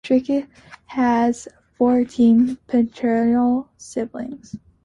Tricky has fourteen paternal siblings.